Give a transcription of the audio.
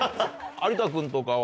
有田君とかは？